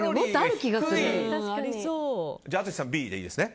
じゃあ、淳さんＢでいいですね。